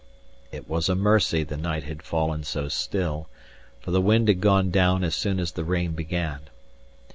It was a mercy the night had fallen so still, for the wind had gone down as soon as the rain began.